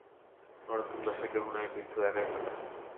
নরোত্তম দাসের কেহ নাই, বৃদ্ধ একাই থাকেন।